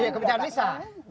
iya kebijakan bisa